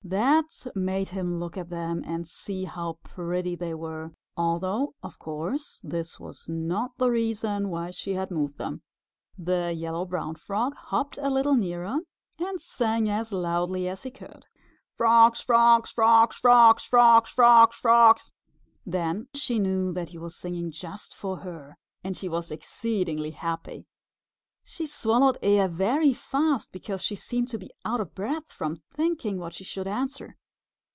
That made him look at them and see how pretty they were, although of course this was not the reason why she had moved them. The Yellow Brown Frog hopped a little nearer and sang as loudly as he could, "Frogs! Frogs! Frogs! Frogs! Frogs! Frogs! Frogs! Frogs!" Then she knew that he was singing just for her, and she was exceedingly happy. She swallowed air very fast because she seemed to be out of breath from thinking what she should answer.